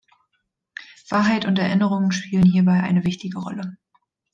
Wahrheit und Erinnerung spielen hierbei eine wichtige Rolle.